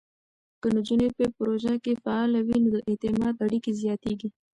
که نجونې په پروژو کې فعاله وي، نو د اعتماد اړیکې زیاتېږي.